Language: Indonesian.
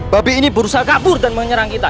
babi ini berusaha kabur dan menyerang kita